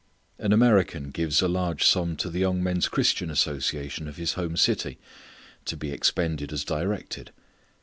An American gives a large sum to the Young Men's Christian Association of his home city to be expended as directed.